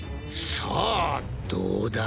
さあどうだ？